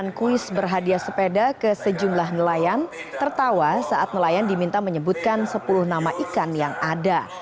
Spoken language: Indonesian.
kuis berhadiah sepeda ke sejumlah nelayan tertawa saat nelayan diminta menyebutkan sepuluh nama ikan yang ada